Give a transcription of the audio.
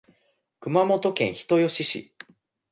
熊本県人吉市